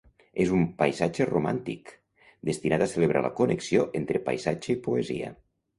És un "paisatge romàntic", destinat a celebrar la connexió entre paisatge i poesia.